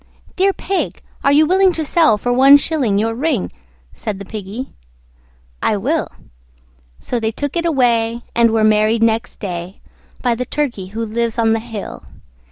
"Dear Pig, are you willing to sell for one shilling Your ring?" Said the Piggy, "I will." So they took it away, and were married next day By the Turkey who lives on the hill.